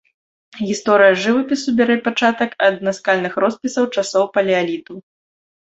Гісторыя жывапісу бярэ пачатак ад наскальных роспісаў часоў палеаліту.